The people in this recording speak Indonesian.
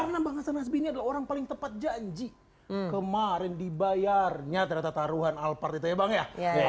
karena bang hasan nazbini adalah orang paling tepat janji kemarin dibayarnya ternyata taruhan alphard itu ya bang ya